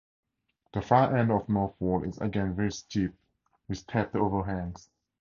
The far end of north wall is again very steep with stepped overhangs.